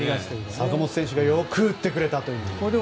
坂本選手がよく打ってくれたと。